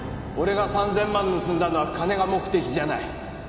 俺が３０００万盗んだのは金が目的じゃない。